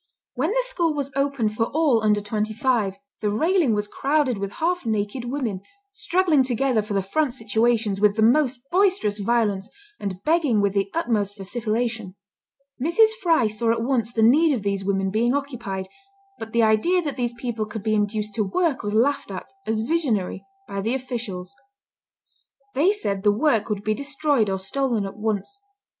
When the school was opened for all under twenty five, "the railing was crowded with half naked women, struggling together for the front situations, with the most boisterous violence, and begging with the utmost vociferation." Mrs. Fry saw at once the need of these women being occupied, but the idea that these people could be induced to work was laughed at, as visionary, by the officials. They said the work would be destroyed or stolen at once.